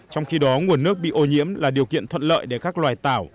trong khi đó nguồn nước bị ô nhiễm là điều kiện thuận lợi để các loài tảo